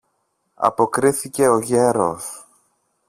αποκρίθηκε ο γέρος.